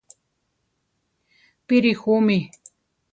Píri ju mí?